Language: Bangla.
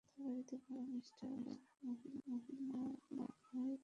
তার বাড়িতে বাবা মিঃ মোহনলাল, মা ও ভাই থাকেন যারা একটি রেস্তোরা চালান।